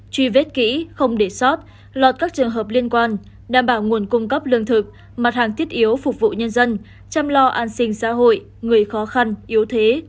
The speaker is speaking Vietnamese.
truy vết kỹ không để sót lọt các trường hợp liên quan đảm bảo nguồn cung cấp lương thực mặt hàng thiết yếu phục vụ nhân dân chăm lo an sinh xã hội người khó khăn yếu thế